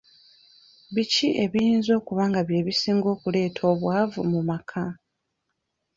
Biki ebiyinza okuba nga bye bisinga okuleeta obwavu mu maka?